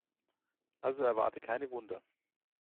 Also erwarte keine Wunder.